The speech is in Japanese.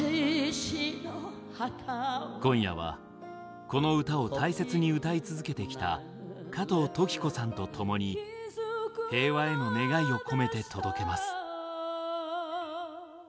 今夜は、この歌を大切に歌い続けてきた加藤登紀子さんとともに平和への願いを込めて届けます。